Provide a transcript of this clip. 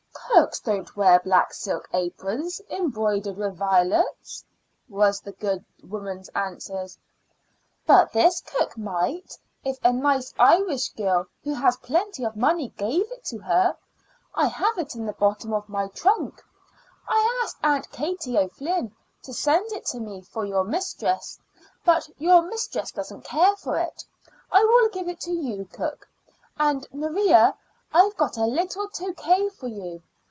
"Cooks don't wear black silk aprons embroidered with violets," was the good woman's answer. "But this cook might, if a nice Irish girl, who has plenty of money, gave it to her. I have it in the bottom of my trunk. I asked Aunt Katie O'Flynn to send it to me for your mistress, but your mistress doesn't care for it. I will give it to you, cook. And, Maria, I've got a little toque for you.